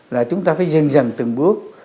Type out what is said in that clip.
là chúng ta phải dần dần từng bước